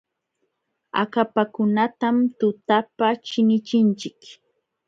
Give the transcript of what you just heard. Akapakunatam tutapa chinichinchik.